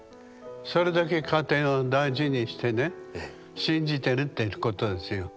それだけ家庭を大事にしてね信じてるってことですよ。